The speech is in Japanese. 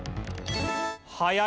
早い！